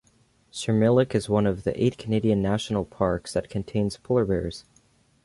Sirmilik is one of eight Canadian national parks that contains polar bears.